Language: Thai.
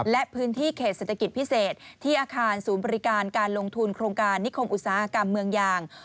และพื้นที่เขตเศรษฐกิจพิเศษที่อาคารศูนย์บริการการลงทุนโครงการนิคมอุตสาหกรรมเมืองยาง